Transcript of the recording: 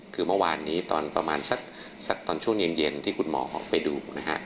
คือเมื่อวานนี้ตอนประมาณสักช่วงเย็นที่คุณหมอไปดู